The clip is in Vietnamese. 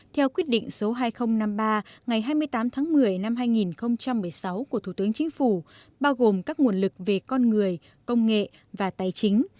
theo quyết định số hai nghìn năm mươi ba ngày hai mươi tám tháng một mươi năm hai nghìn một mươi sáu của thủ tướng chính phủ bao gồm các nguồn lực về con người công nghệ và tài chính